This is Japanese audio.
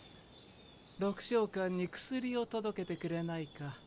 緑青館に薬を届けてくれないか？